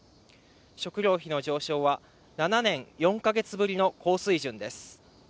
食料費の上昇は７年４カ月ぶりの高水準です